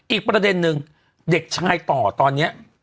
อีกประเด็นนึงเด็กชายต่อตอนนี้